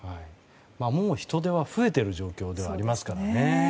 もう人出は増えている状況ではありますからね。